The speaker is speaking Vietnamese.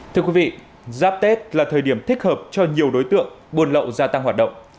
thưa quý vị giáp tết là thời điểm thích hợp cho nhiều đối tượng buôn lậu gia tăng hoạt động